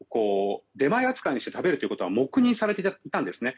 出前扱いにして食べることは黙認されていたんですね。